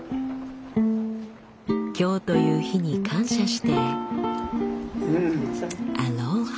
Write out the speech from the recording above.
今日という日に感謝してアロハ。